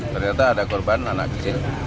ternyata ada korban anak kecil